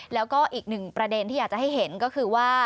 แล้วก็อีกหนึ่งประเด็นที่อยากจะให้เห็นก็คือว่า